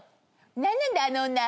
何なんだあの女」